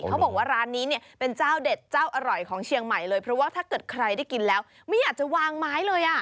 เขาบอกว่าร้านนี้เนี่ยเป็นเจ้าเด็ดเจ้าอร่อยของเชียงใหม่เลยเพราะว่าถ้าเกิดใครได้กินแล้วไม่อยากจะวางไม้เลยอ่ะ